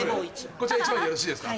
こちら１枚でよろしいですか？